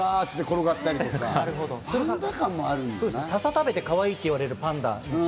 笹食べてかわいいって言われるパンダ。